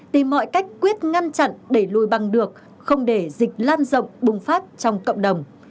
tìm mọi cách quyết ngăn chặn đẩy lùi bằng được không để dịch lan rộng bùng phát trong cộng đồng